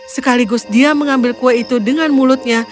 sekaligus dia mengambil kue itu dengan mulutnya